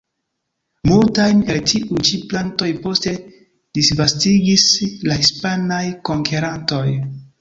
Multajn el tiuj ĉi plantoj poste disvastigis la hispanaj konkerantoj.